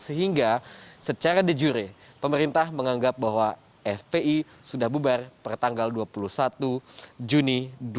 sehingga secara de jure pemerintah menganggap bahwa fpi sudah bubar pertanggal dua puluh satu juni dua ribu dua puluh